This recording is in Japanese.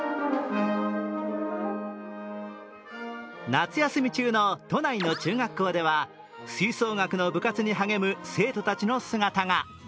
夏休み中の都内の中学校では、吹奏楽の部活に励む生徒たちの姿が。